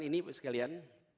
gagasan ini sekalian